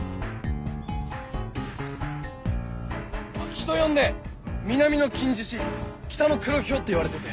人呼んで「南の金獅子北の黒ヒョウ」っていわれてて。